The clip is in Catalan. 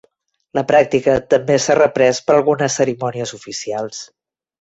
La pràctica també s'ha reprès per algunes cerimònies oficials.